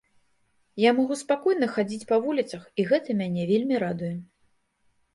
Я магу спакойна хадзіць па вуліцах, і гэта мяне вельмі радуе.